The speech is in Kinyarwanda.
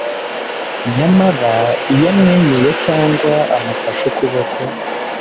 nyamara iyo amwenyuye cyangwa amufashe ukuboko